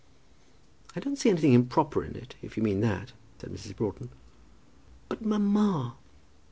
"I don't see anything improper in it, if you mean that," said Mrs. Broughton. "But, mamma!"